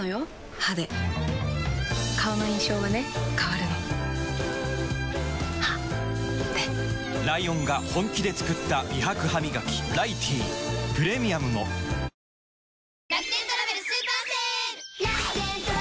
歯で顔の印象はね変わるの歯でライオンが本気で作った美白ハミガキ「ライティー」プレミアムもすごい。